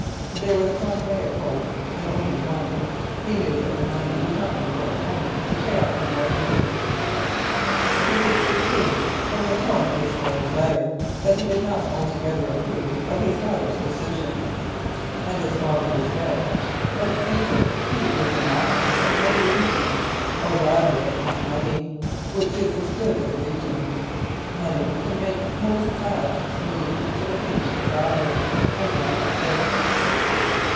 There was one ray of hope, and one only. He knew that the money would not be forthcoming to pay off the mortgages. He could see too from the tone of the Squire's letter that he did not altogether approve of his daughter's decision. And his father was dead. Like Caesar, he was the master of many legions, or rather of much money, which is as good as legions. Money can make most paths smooth to the feet of the traveller, and why not this?